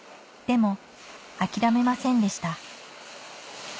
も諦めませんでした